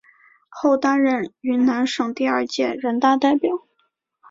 后担任云南省第二届人大代表。